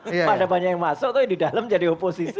pada banyak yang masuk tapi di dalam jadi oposisi